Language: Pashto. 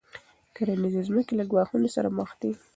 کرنیزې ځمکې له ګواښونو سره مخ دي.